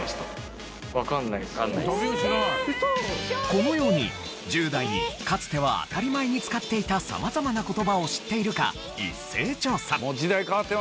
このように１０代にかつては当たり前に使っていた様々な言葉を知っているか一斉調査。